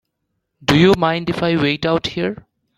Do you mind if I wait out here?